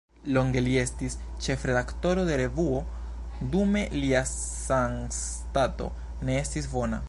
Longe li estis ĉefredaktoro de revuo, dume lia sanstato ne estis bona.